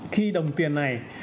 khi đồng tiền này